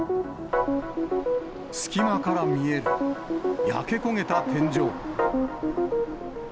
隙間から見える焼け焦げた天井。